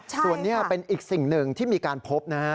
ส่วนนี้เป็นอีกสิ่งหนึ่งที่มีการพบนะฮะ